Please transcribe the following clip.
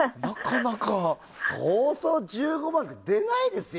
そうそう１５万って出ないですよ。